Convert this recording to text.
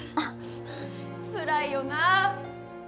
つらいよなあ。